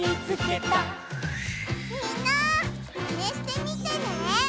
みんなマネしてみてね！